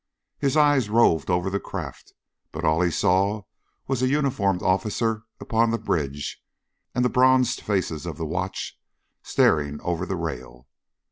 His eyes roved over the craft, but all he saw was a uniformed officer upon the bridge and the bronzed faces of the watch staring over the rail.